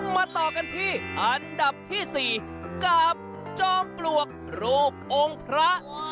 มาต่อกันที่อันดับที่๔กับจอมปลวกรูปองค์พระ